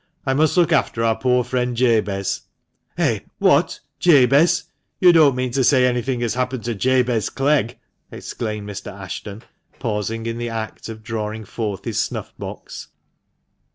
I must look after our poor friend Jabez." " Eh ! what ! Jabez ? You don't mean to say anything has happened to Jabez Clegg?" exclaimed Mr. Ashton, pausing in the act of drawing forth his snuff box.